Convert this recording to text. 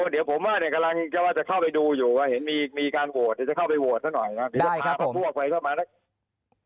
เดี๋ยวผมว่ากำลังจะเข้าไปดูอยู่มีการโหวตเดี๋ยวจะเข้าไปโหวตสักหน่อยนะครับ